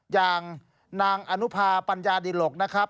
อย่างนางอนุพาปัญญาดิหลกนะครับ